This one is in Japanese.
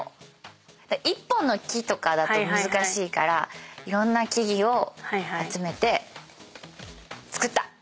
１本の木とかだと難しいからいろんな木々を集めて造った！